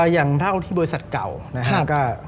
อย่างเท่าที่บริษัทเก่านะครับ